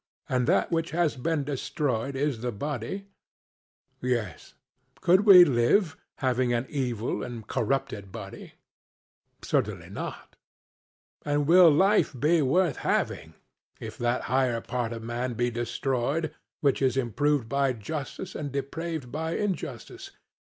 And that which has been destroyed is the body? CRITO: Yes. SOCRATES: Could we live, having an evil and corrupted body? CRITO: Certainly not. SOCRATES: And will life be worth having, if that higher part of man be destroyed, which is improved by justice and depraved by injustice?